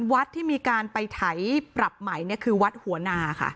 วัดที่มีการไปไถปรับใหม่คือวัดหัวนาค่ะ